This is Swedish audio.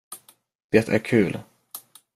Det är kul.